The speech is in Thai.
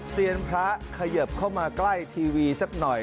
เซียนพระขยิบเข้ามาใกล้ทีวีสักหน่อย